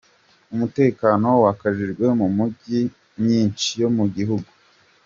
Umutekano wakajijwe mu mijyi myinshi yo mu gihugu.